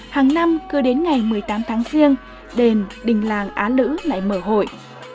hàng năm cứ đến ngày một mươi tám tháng riêng đền đình đình làng á lữ lại mở hội